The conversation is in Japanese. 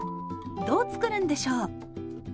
どう作るんでしょう？